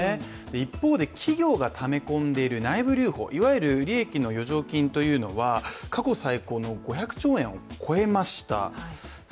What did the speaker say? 一方で、企業がためこんでいる内部留保いわゆる利益の余剰金というのは過去最高の５００兆円を超えました。